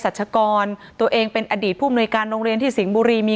ชัชกรตัวเองเป็นอดีตผู้มนุยการโรงเรียนที่สิงห์บุรีมี